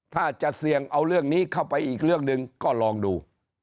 ถ้าจะเสี่ยงเอาเรื่องนี้เข้าไปอีกเรื่องหนึ่งก็ลองดู